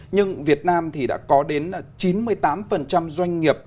nhưng việt nam thì đã có đến chín mươi tám doanh nghiệp